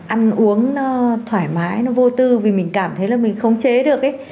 ăn uống nó thoải mái nó vô tư vì mình cảm thấy là mình không chế được